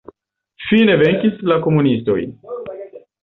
Fine venkis la komunistoj.